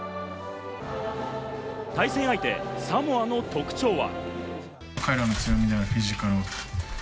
対戦相手・サモアの特徴は。